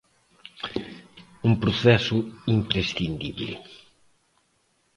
Un proceso imprescindible...